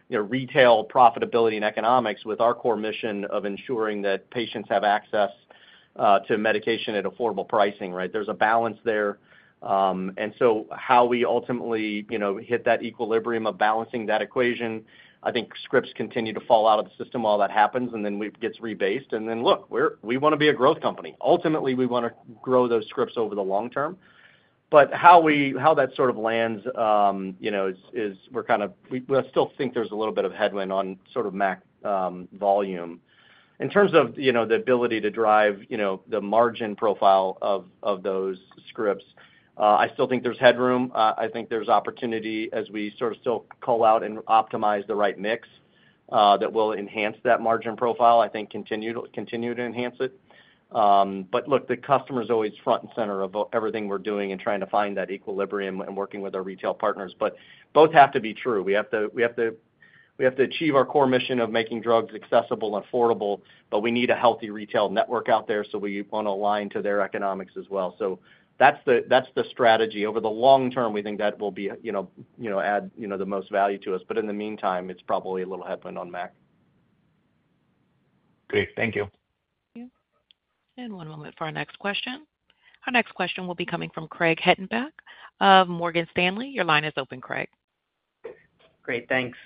retail profitability and economics with our core mission of ensuring that patients have access to medication at affordable pricing, right? There is a balance there. And so how we ultimately hit that equilibrium of balancing that equation, I think scripts continue to fall out of the system while that happens, and then it gets rebased. Look, we want to be a growth company. Ultimately, we want to grow those scripts over the long term. How that sort of lands is we're kind of we still think there's a little bit of headwind on sort of max volume. In terms of the ability to drive the margin profile of those scripts, I still think there's headroom. I think there's opportunity as we sort of still call out and optimize the right mix that will enhance that margin profile. I think continue to enhance it. Look, the customer is always front and center of everything we're doing and trying to find that equilibrium and working with our retail partners. Both have to be true. We have to achieve our core mission of making drugs accessible and affordable, but we need a healthy retail network out there, so we want to align to their economics as well. That is the strategy. Over the long term, we think that will add the most value to us. In the meantime, it is probably a little headwind on MACs. Great. Thank you. One moment for our next question. Our next question will be coming from Craig Hettenbach of Morgan Stanley. Your line is open, Craig. Great. Thanks.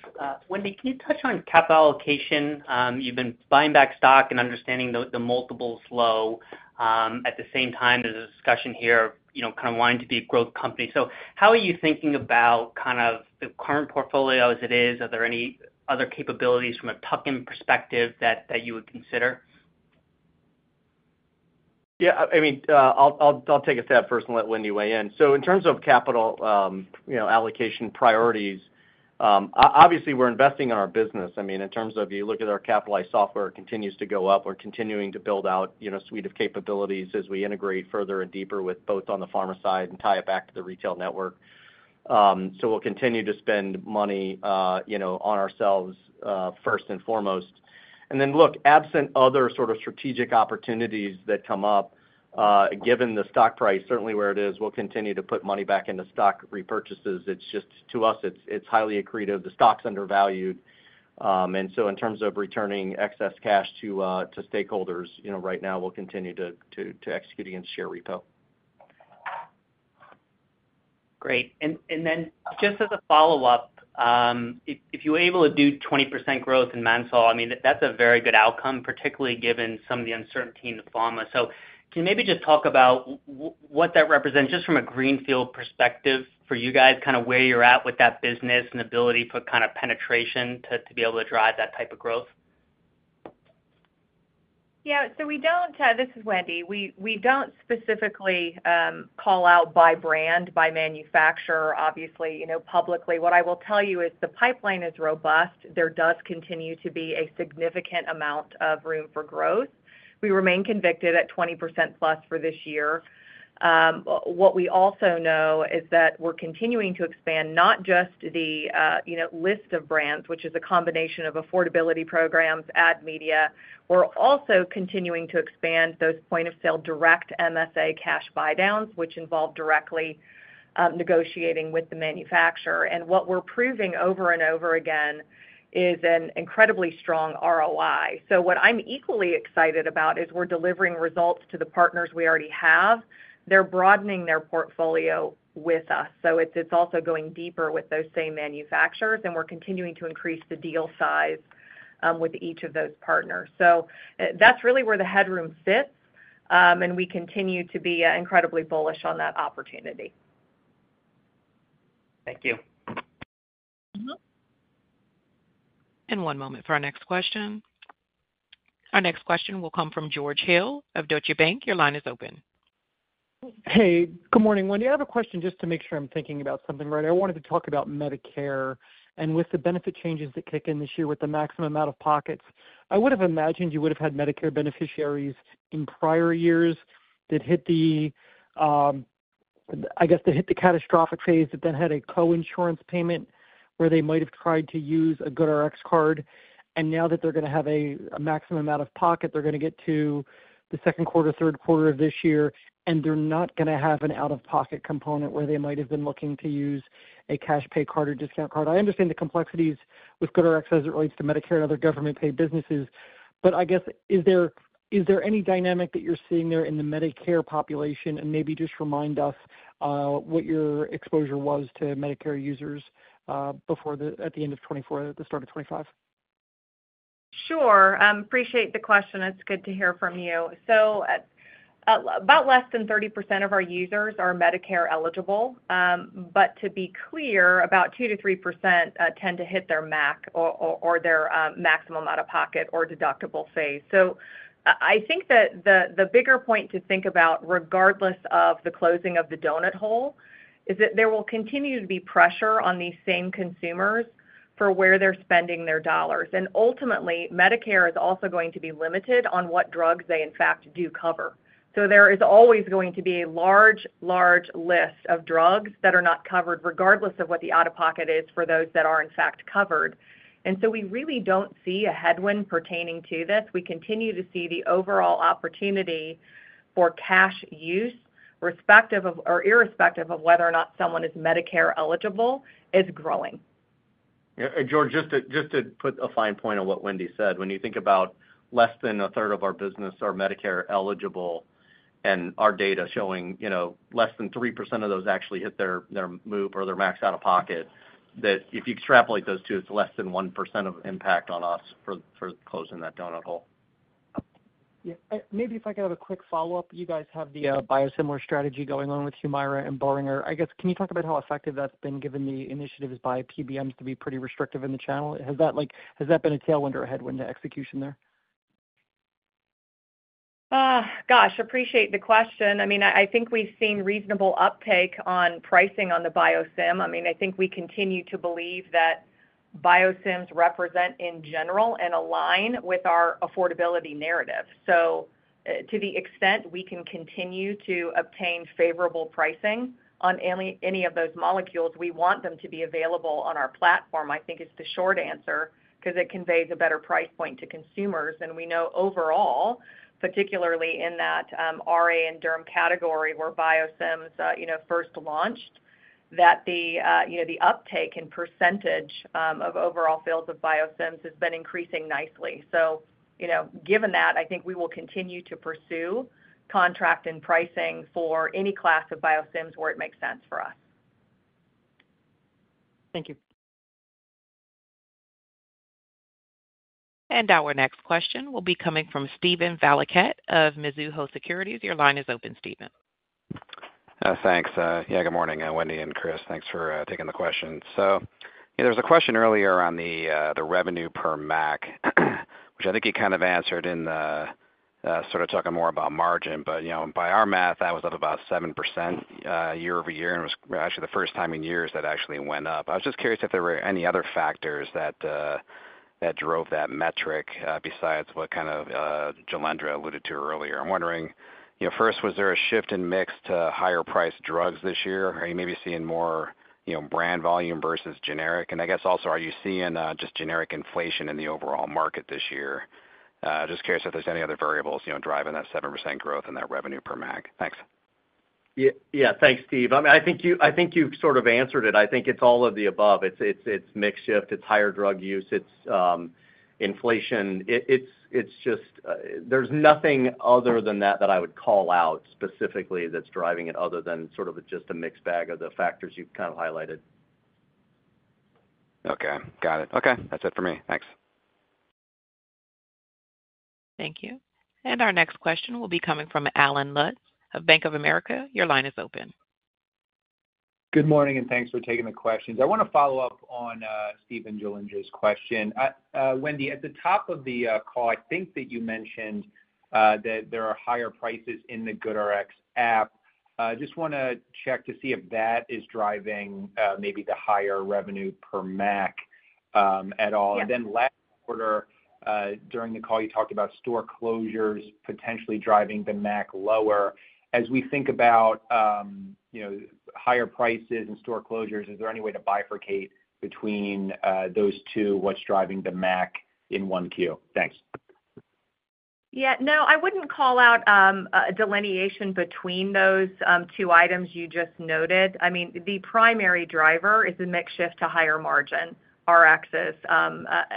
Wendy, can you touch on capital allocation? You have been buying back stock and understanding the multiple is low. At the same time, there is a discussion here of kind of wanting to be a growth company. How are you thinking about the current portfolio as it is? Are there any other capabilities from a Tucking perspective that you would consider? Yeah. I mean, I'll take a stab first and let Wendy weigh in. In terms of capital allocation priorities, obviously, we're investing in our business. I mean, in terms of you look at our capitalized software, it continues to go up. We're continuing to build out a suite of capabilities as we integrate further and deeper with both on the pharma side and tie it back to the retail network. We'll continue to spend money on ourselves first and foremost. Look, absent other sort of strategic opportunities that come up, given the stock price, certainly where it is, we'll continue to put money back into stock repurchases. It's just, to us, it's highly accretive. The stock's undervalued. In terms of returning excess cash to stakeholders, right now, we'll continue to execute against share repo. Great. Just as a follow-up, if you were able to do 20% growth in Mansell, I mean, that's a very good outcome, particularly given some of the uncertainty in the pharma. Can you maybe just talk about what that represents just from a greenfield perspective for you guys, kind of where you're at with that business and ability for kind of penetration to be able to drive that type of growth? Yeah. This is Wendy. We don't specifically call out by brand, by manufacturer, obviously, publicly. What I will tell you is the pipeline is robust. There does continue to be a significant amount of room for growth. We remain convicted at 20% plus for this year. What we also know is that we're continuing to expand not just the list of brands, which is a combination of affordability programs, ad media. We're also continuing to expand those point-of-sale direct MSA cash buy-downs, which involve directly negotiating with the manufacturer. What we're proving over and over again is an incredibly strong ROI. What I'm equally excited about is we're delivering results to the partners we already have. They're broadening their portfolio with us. It's also going deeper with those same manufacturers, and we're continuing to increase the deal size with each of those partners. That's really where the headroom sits, and we continue to be incredibly bullish on that opportunity. Thank you. One moment for our next question. Our next question will come from George Hill of Deutsche Bank. Your line is open. Hey. Good morning, Wendy. I have a question just to make sure I'm thinking about something right. I wanted to talk about Medicare and with the benefit changes that kick in this year with the maximum out-of-pockets. I would have imagined you would have had Medicare beneficiaries in prior years that hit the, I guess, that hit the catastrophic phase that then had a co-insurance payment where they might have tried to use a GoodRx card. And now that they're going to have a maximum out-of-pocket, they're going to get to the second quarter, third quarter of this year, and they're not going to have an out-of-pocket component where they might have been looking to use a cash pay card or discount card. I understand the complexities with GoodRx as it relates to Medicare and other government-paid businesses, but I guess, is there any dynamic that you're seeing there in the Medicare population? Maybe just remind us what your exposure was to Medicare users at the end of 2024, at the start of 2025. Sure. Appreciate the question. It's good to hear from you. About less than 30% of our users are Medicare eligible. To be clear, about 2%-3% tend to hit their max or their maximum out-of-pocket or deductible phase. I think that the bigger point to think about, regardless of the closing of the donut hole, is that there will continue to be pressure on these same consumers for where they're spending their dollars. Ultimately, Medicare is also going to be limited on what drugs they, in fact, do cover. There is always going to be a large, large list of drugs that are not covered, regardless of what the out-of-pocket is for those that are, in fact, covered. We really do not see a headwind pertaining to this. We continue to see the overall opportunity for cash use, irrespective of whether or not someone is Medicare eligible, is growing. Yeah. George, just to put a fine point on what Wendy said, when you think about less than a third of our business are Medicare eligible, and our data showing less than 3% of those actually hit their move or their max out-of-pocket, that if you extrapolate those two, it is less than 1% of impact on us for closing that donut hole. Yeah. Maybe if I could have a quick follow-up. You guys have the biosimilar strategy going on with HUMIRA and Boehringer. I guess, can you talk about how effective that has been given the initiatives by PBMs to be pretty restrictive in the channel? Has that been a tailwind or a headwind to execution there? Gosh, appreciate the question. I mean, I think we've seen reasonable uptake on pricing on the biosim. I mean, I think we continue to believe that biosims represent, in general, and align with our affordability narrative. To the extent we can continue to obtain favorable pricing on any of those molecules, we want them to be available on our platform, I think, is the short answer because it conveys a better price point to consumers. We know overall, particularly in that RA and derm category where biosims first launched, that the uptake in percentage of overall fields of biosims has been increasing nicely. Given that, I think we will continue to pursue contract and pricing for any class of biosims where it makes sense for us. Thank you. Our next question will be coming from Steven Valiquette of Mizuho Securities. Your line is open, Steven. Thanks. Yeah. Good morning, Wendy and Chris. Thanks for taking the question. There was a question earlier on the revenue per MAC, which I think you kind of answered in sort of talking more about margin. By our math, that was up about 7% year over year, and it was actually the first time in years that actually went up. I was just curious if there were any other factors that drove that metric besides what kind of Jailendra alluded to earlier. I'm wondering, first, was there a shift in mix to higher-priced drugs this year? Are you maybe seeing more brand volume versus generic? I guess also, are you seeing just generic inflation in the overall market this year? Just curious if there's any other variables driving that 7% growth in that revenue per MAC. Thanks. Yeah. Thanks, Steve. I mean, I think you've sort of answered it. I think it's all of the above. It's mixed shift. It's higher drug use. It's inflation. There's nothing other than that that I would call out specifically that's driving it other than sort of just a mixed bag of the factors you've kind of highlighted Got it. Okay. That's it for me. Thanks. Thank you. Our next question will be coming from Allen Lutz of Bank of America. Your line is open. Good morning, and thanks for taking the questions. I want to follow up on Steven and Jailendra's question. Wendy, at the top of the call, I think that you mentioned that there are higher prices in the GoodRx app. Just want to check to see if that is driving maybe the higher revenue per max at all. Last quarter, during the call, you talked about store closures potentially driving the MACs lower. As we think about higher prices and store closures, is there any way to bifurcate between those two, what's driving the MACs in Q1? Thanks. Yeah. No, I wouldn't call out a delineation between those two items you just noted. I mean, the primary driver is the mixed shift to higher margin RXs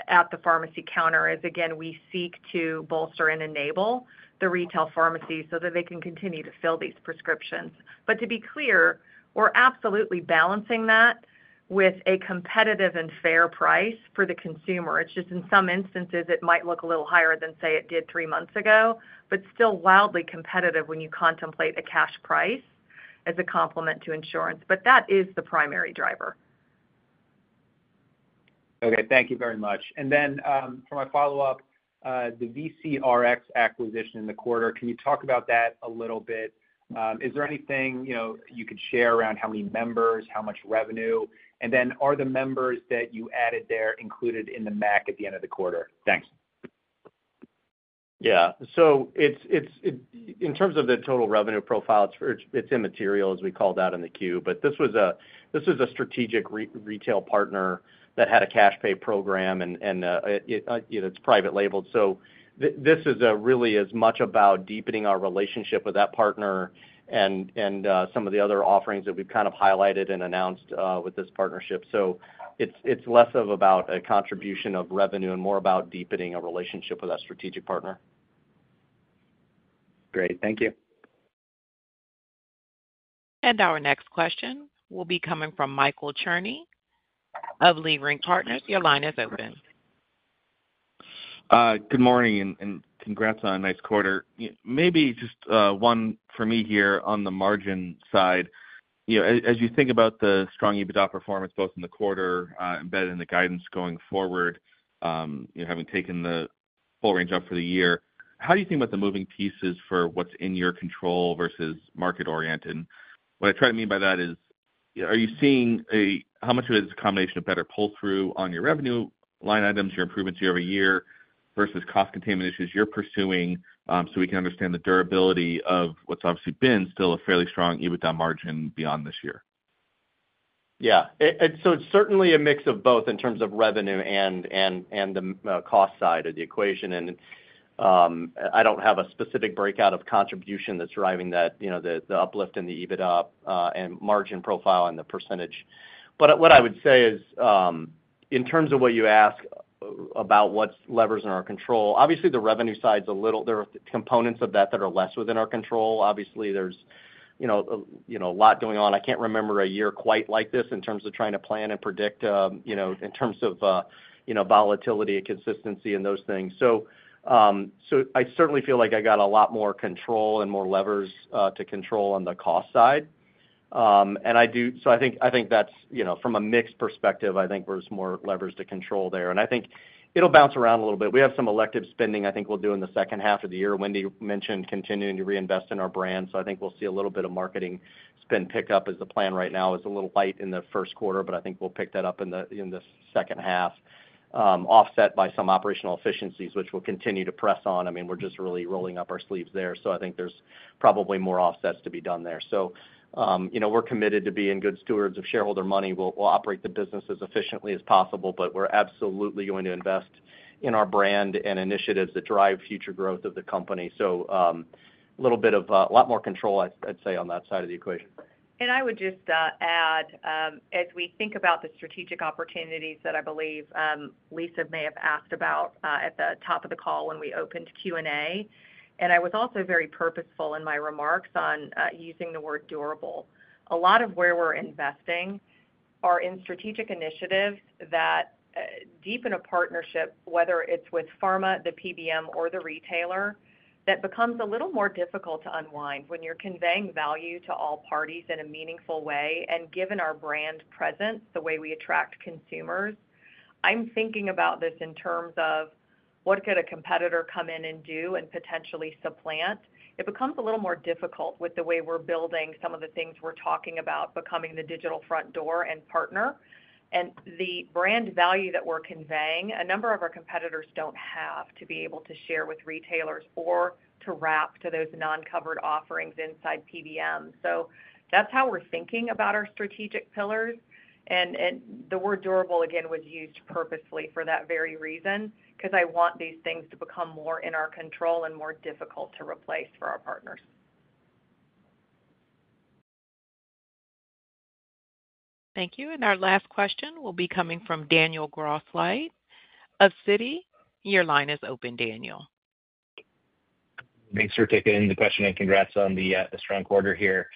at the pharmacy counter as, again, we seek to bolster and enable the retail pharmacy so that they can continue to fill these prescriptions. But to be clear, we're absolutely balancing that with a competitive and fair price for the consumer. It's just in some instances, it might look a little higher than, say, it did three months ago, but still wildly competitive when you contemplate a cash price as a complement to insurance. But hat is the primary driver. Okay. Thank you very much. For my follow-up, the VCRX acquisition in the quarter, can you talk about that a little bit? Is there anything you could share around how many members, how much revenue? Are the members that you added there included in the MACs at the end of the quarter? Thanks. Yeah. In terms of the total revenue profile, it is immaterial, as we called out in the Q. This was a strategic retail partner that had a cash pay program, and it is private labeled. This is really as much about deepening our relationship with that partner and some of the other offerings that we have kind of highlighted and announced with this partnership. It is less about a contribution of revenue and more about deepening a relationship with that strategic partner. Great. Thank you. Our next question will be coming from Michael Cherney of Leerink Partners. Your line is open. Good morning, and congrats on a nice quarter. Maybe just one for me here on the margin side. As you think about the strong EBITDA performance both in the quarter embedded in the guidance going forward, having taken the full range up for the year, how do you think about the moving pieces for what is in your control versus market-oriented? What I try to mean by that is, are you seeing how much of it is a combination of better pull-through on your revenue line items, your improvements year over year versus cost containment issues you are pursuing so we can understand the durability of what has obviously been still a fairly strong EBITDA margin beyond this year? It is certainly a mix of both in terms of revenue and the cost side of the equation. I do not have a specific breakout of contribution that is driving the uplift in the EBITDA and margin profile and the percentage. What I would say is, in terms of what you asked about what levers are in our control, obviously, the revenue side, there are components of that that are less within our control. There is a lot going on. I cannot remember a year quite like this in terms of trying to plan and predict in terms of volatility, consistency, and those things. I certainly feel like I have a lot more control and more levers to control on the cost side. I think that is, from a mix perspective, I think there are more levers to control there. I think it'll bounce around a little bit. We have some elective spending I think we'll do in the second half of the year. Wendy mentioned continuing to reinvest in our brand. I think we'll see a little bit of marketing spend pickup as the plan right now is a little light in the first quarter, but I think we'll pick that up in the second half, offset by some operational efficiencies, which we'll continue to press on. I mean, we're just really rolling up our sleeves there. I think there's probably more offsets to be done there. We're committed to being good stewards of shareholder money. We'll operate the business as efficiently as possible, but we're absolutely going to invest in our brand and initiatives that drive future growth of the company. A little bit of a lot more control, I'd say, on that side of the equation. I would just add, as we think about the strategic opportunities that I believe Lisa may have asked about at the top of the call when we opened Q&A, I was also very purposeful in my remarks on using the word durable. A lot of where we're investing are in strategic initiatives that deepen a partnership, whether it's with pharma, the PBM, or the retailer, that becomes a little more difficult to unwind when you're conveying value to all parties in a meaningful way. Given our brand presence, the way we attract consumers, I'm thinking about this in terms of what could a competitor come in and do and potentially supplant. It becomes a little more difficult with the way we're building some of the things we're talking about, becoming the digital front door and partner and the brand value that we're conveying. A number of our competitors don't have to be able to share with retailers or to wrap to those non-covered offerings inside PBM. That's how we're thinking about our strategic pillars. The word durable, again, was used purposely for that very reason because I want these things to become more in our control and more difficult to replace for our partners. Thank you. Our last question will be coming from Daniel Grosslight of Citi. Your line is open, Daniel. Thanks for taking the question and congrats on the strong quarter here.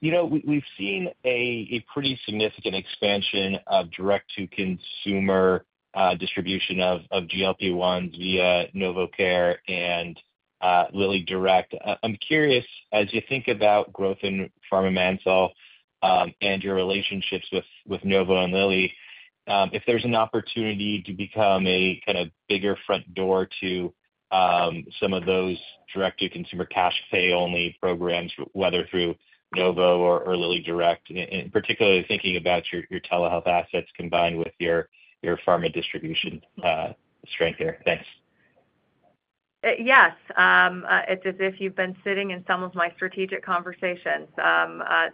We've seen a pretty significant expansion of direct-to-consumer distribution of GLP-1s via Novocare and LillyDirect. I'm curious, as you think about growth in PharmaMansell and your relationships with Novo and Lilly, if there's an opportunity to become a kind of bigger front door to some of those direct-to-consumer cash pay-only programs, whether through Novo or LillyDirect, and particularly thinking about your telehealth assets combined with your pharma distribution strength here. Thanks. Yes. It's as if you've been sitting in some of my strategic conversations.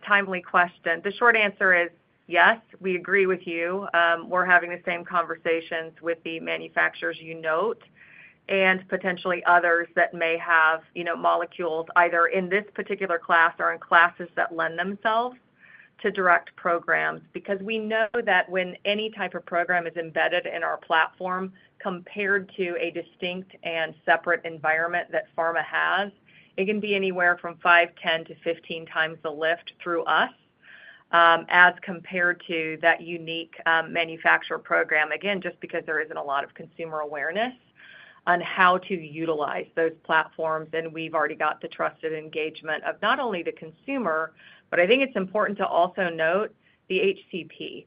Timely question. The short answer is yes, we agree with you. We're having the same conversations with the manufacturers you note and potentially others that may have molecules either in this particular class or in classes that lend themselves to direct programs because we know that when any type of program is embedded in our platform compared to a distinct and separate environment that pharma has, it can be anywhere from five, 10, to 15 times the lift through us as compared to that unique manufacturer program, again, just because there isn't a lot of consumer awareness on how to utilize those platforms. We have already got the trusted engagement of not only the consumer, but I think it's important to also note the HCP.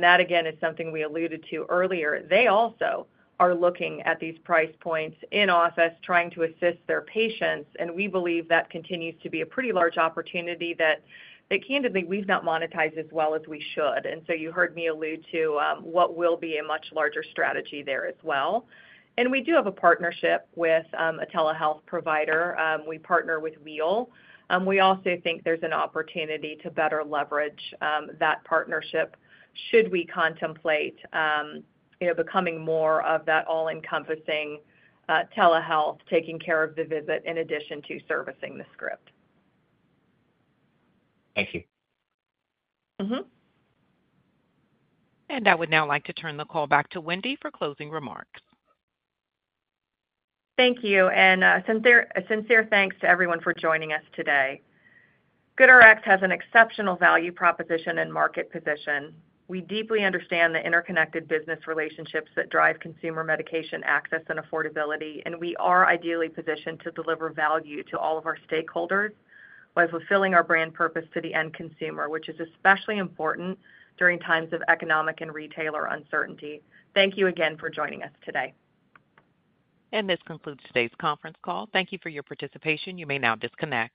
That, again, is something we alluded to earlier. They also are looking at these price points in office trying to assist their patients. We believe that continues to be a pretty large opportunity that, candidly, we've not monetized as well as we should. You heard me allude to what will be a much larger strategy there as well. We do have a partnership with a telehealth provider. We partner with Wheel. We also think there's an opportunity to better leverage that partnership should we contemplate becoming more of that all-encompassing telehealth, taking care of the visit in addition to servicing the script. Thank you. I would now like to turn the call back to Wendy for closing remarks. Thank you. Sincere thanks to everyone for joining us today. GoodRx has an exceptional value proposition and market position. We deeply understand the interconnected business relationships that drive consumer medication access and affordability. We are ideally positioned to deliver value to all of our stakeholders by fulfilling our brand purpose to the end consumer, which is especially important during times of economic and retailer uncertainty. Thank you again for joining us today. This concludes today's conference call. Thank you for your participation. You may now disconnect.